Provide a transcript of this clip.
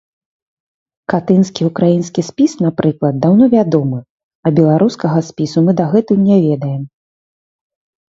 Катынскі ўкраінскі спіс, напрыклад, даўно вядомы, а беларускага спісу мы дагэтуль не ведаем.